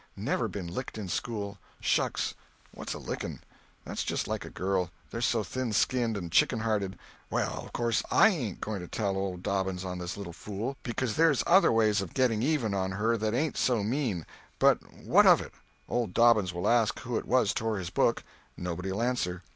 Never been licked in school! Shucks! What's a licking! That's just like a girl—they're so thin skinned and chicken hearted. Well, of course I ain't going to tell old Dobbins on this little fool, because there's other ways of getting even on her, that ain't so mean; but what of it? Old Dobbins will ask who it was tore his book. Nobody'll answer.